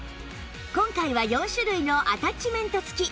今回は４種類のアタッチメント付き